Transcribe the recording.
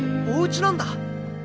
おうちなんだ。